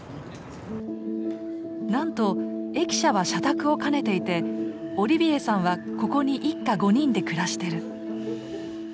なんと駅舎は社宅を兼ねていてオリビエさんはここに一家５人で暮らしてる。